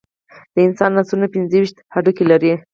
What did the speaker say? د انسان لاسونه پنځه ویشت هډوکي لري.